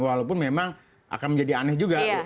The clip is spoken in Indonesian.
walaupun memang akan menjadi aneh juga